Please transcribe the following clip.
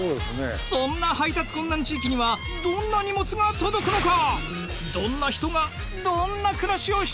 そんな配達困難地域にはどんな荷物が届くのか？